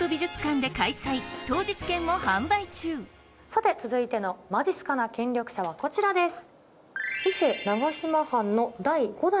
さて続いてのまじっすかな権力者はこちらです。